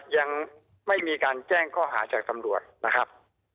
ยังไม่มีการแจ้งข้อหาจากตำรวจนะครับ